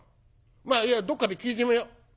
まあいいやどっかで聞いてみよう」。